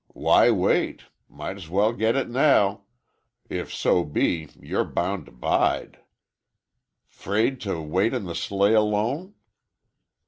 "Why wait? Might's well get it now—if so be you're bound to bide. 'Fraid to wait in the sleigh alone?"